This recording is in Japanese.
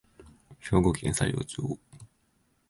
兵庫県佐用町